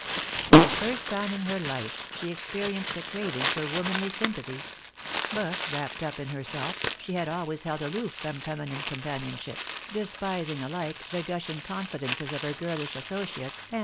For the first time in her life she experienced a craving for womanly sympathy; but, wrapped up in herself, she had always held aloof from feminine companionship, despising alike the gushing confidences of her girlish associates and FASCINATION.